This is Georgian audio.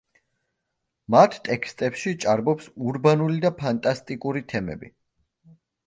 მათ ტექსტებში ჭარბობს ურბანული და ფანტასტიკური თემები.